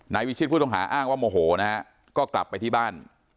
วิชิตผู้ต้องหาอ้างว่าโมโหนะฮะก็กลับไปที่บ้าน